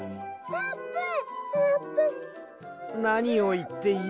「あーぷん！」。